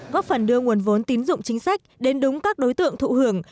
góp phần đưa nguồn vốn tín dụng chính sách đến đúng các đối tượng thụ hưởng